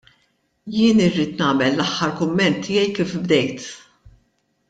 Jien irrid nagħmel l-aħħar kumment tiegħi kif bdejt.